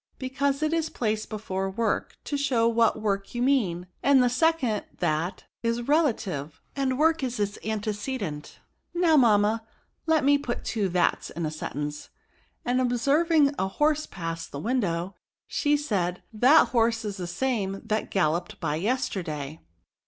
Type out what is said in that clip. because it is placed before work, to show what work you mean ; and the second that is relative, and work is its antecedent. Now, mamma, let me put the two thats in a sentence;" and observing a horse pass the DEMONSTRATIVE PRONOUNS. 199 window^ she said^ '^ that horse is the same that gaUopped by yesterday."